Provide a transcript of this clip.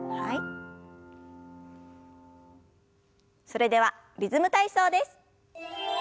それでは「リズム体操」です。